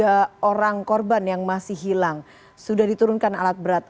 ada dua puluh tiga orang korban yang masih hilang sudah diturunkan alat berat